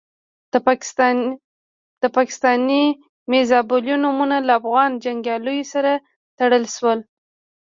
د پاکستاني میزایلو نومونه له افغان جنګیالیو سره تړل شول.